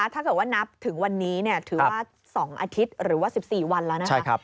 ถ้าเกิดว่านับถึงวันนี้ถือว่า๒อาทิตย์หรือว่า๑๔วันแล้วนะครับ